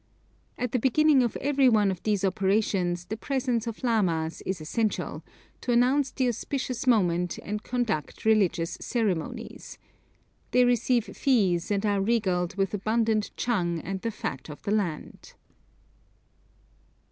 At the beginning of every one of these operations the presence of lamas is essential, to announce the auspicious moment, and conduct religious ceremonies. They receive fees, and are regaled with abundant chang and the fat of the land.